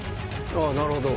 ああなるほど。